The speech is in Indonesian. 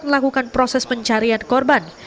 melakukan proses pencarian korban